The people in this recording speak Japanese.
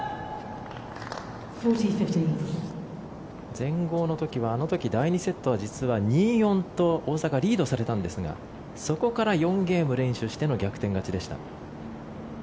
全豪の時はあの時は第２セットは実は２−４と大坂、リードされたんですがそこから４ゲーム連取しての逆転勝ちでした。